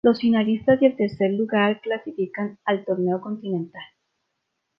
Los finalistas y el tercer lugar clasifican al torneo continental.